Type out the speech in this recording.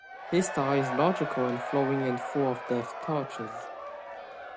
His style is logical and flowing and full of deft touches.